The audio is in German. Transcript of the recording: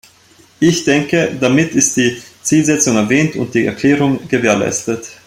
Ich denke, damit ist die Zielsetzung erwähnt und die Erklärung gewährleistet.